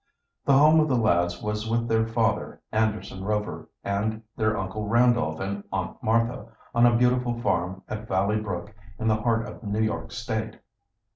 The home of the lads was with their father, Anderson Rover, and their Uncle Randolph and Aunt Martha, on a beautiful farm at Valley Brook, in the heart of New York State.